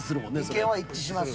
意見は一致します